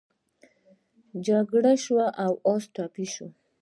جنګ شو او اس ټپي شو.